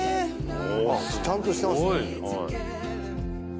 すごいちゃんとしてますね